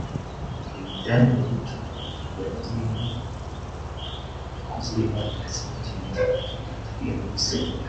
Ibi byaje gutuma ibiro by’uyu mukozi w’Imana ndetse n’inzu yari atuyemo bisenywa